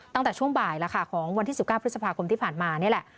ตั้งแต่ช่วงบ่ายแล้วค่ะของวันที่๑๙พฤษภาคมที่ผ่านมานี่แหละ